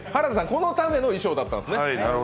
このための衣装だったんですね